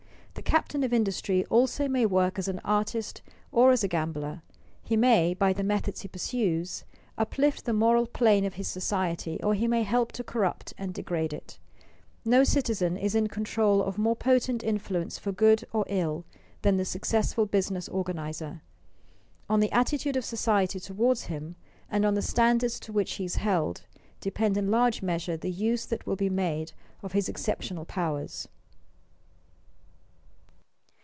The captain of industry also may work as an artist or as a gambler; he may, by the methods he pursues, uplift the moral plane of his society or he may help to corrupt and degrade it. No citizen is in control of more potent influence for good or ill than the successful business organizer. On the attitude of society toward him, and on the standards to which he is held, depend in large measure the use that will be made of his exceptional powers.